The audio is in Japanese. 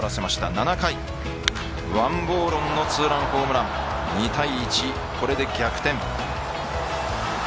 ７回、王柏融のツーランホームラン２対１、これで逆転。